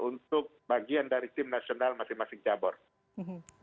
untuk bagian dari tim nasional masing masing cabang